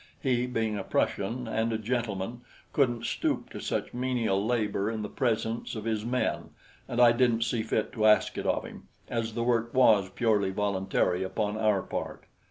He, being a Prussian and a gentleman, couldn't stoop to such menial labor in the presence of his men, and I didn't see fit to ask it of him, as the work was purely voluntary upon our part.